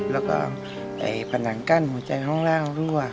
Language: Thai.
แล้วก็ผนังกั้นหัวใจห้องล่างรั่ว